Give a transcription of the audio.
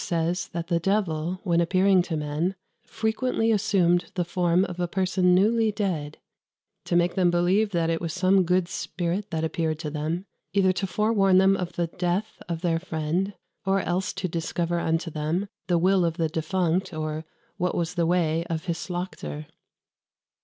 says that the devil, when appearing to men, frequently assumed the form of a person newly dead, "to make them believe that it was some good spirit that appeared to them, either to forewarn them of the death of their friend, or else to discover unto them the will of the defunct, or what was the way of his slauchter....